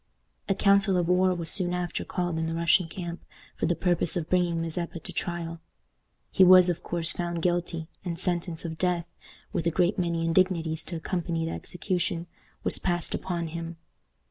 A council of war was soon after called in the Russian camp for the purpose of bringing Mazeppa to trial. He was, of course, found guilty, and sentence of death with a great many indignities to accompany the execution was passed upon him.